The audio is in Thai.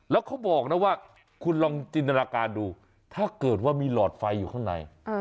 แล้วเขาบอกนะว่าคุณลองจินตนาการดูถ้าเกิดว่ามีหลอดไฟอยู่ข้างใน